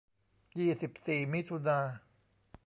ยี่สิบสี่มิถุนา